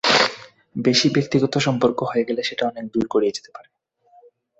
বেশি ব্যক্তিগত সম্পর্ক হয়ে গেলে সেটা অনেক দূর গড়িয়ে যেতে পারে।